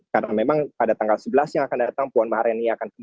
karena memang pada tanggal sebelas yang akan datang puan maharini akan terima